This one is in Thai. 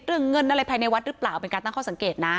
เรื่องเงินอะไรภายในวัดหรือเปล่าเป็นการตั้งข้อสังเกตนะ